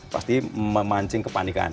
pasti memancing kepanikan